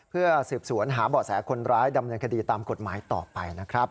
เพื่อสืบสวนหาเบาะแสคนร้ายดำเนินคดีตามกฎหมายต่อไปนะครับ